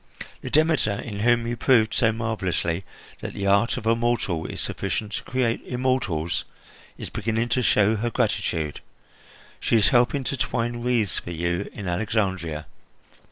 The Demeter, in whom you proved so marvellously that the art of a mortal is sufficient to create immortals, is beginning to show her gratitude. She is helping to twine wreaths for you in Alexandria."